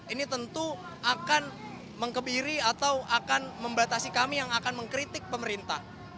ini tentu akan mengebiri atau akan membatasi kami yang akan mengkritik pemerintah